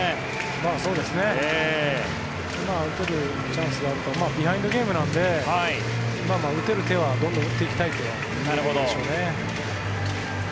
チャンスがあるとビハインドゲームなので打てる手はどんどん打っていきたいというところでしょうね。